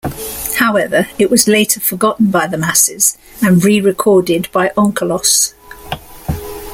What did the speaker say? However, it was later forgotten by the masses, and rerecorded by Onkelos.